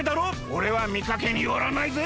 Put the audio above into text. おれはみかけによらないぜ！